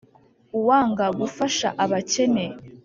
uwanga gufasha abakene